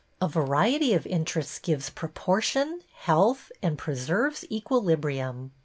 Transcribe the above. A variety of interests gives proportion, health, and preserves equilibrium."